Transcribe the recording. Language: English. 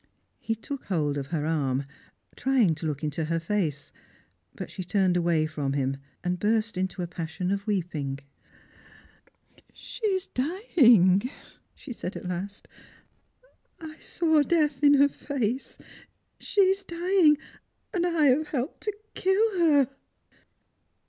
He took hold of her arm, trying to look into her face, but she turned away from him and burst into a passion of weei:»ing. " She is dying !" she said at last; " I saw death in her face. She is dying; and I have helped to kill her